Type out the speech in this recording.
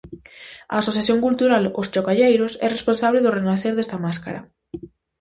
A Asociación Cultural Os Chocalleiros é responsable do renacer desta máscara.